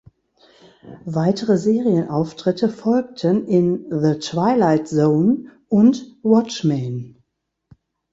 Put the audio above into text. Weitere Serienauftritte folgten in "The Twilight Zone" und "Watchmen".